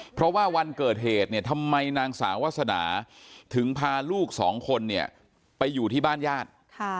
เพราะว่าวันเกิดเหตุเนี่ยทำไมนางสาววาสนาถึงพาลูกสองคนเนี่ยไปอยู่ที่บ้านญาติ